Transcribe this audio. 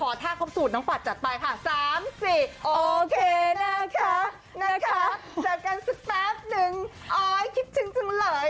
โอเคนะคะนะคะจับกันสักแป๊บหนึ่งอ้อยคิดชึ้งเลย